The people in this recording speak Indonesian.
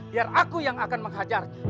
biar aku yang akan menghajar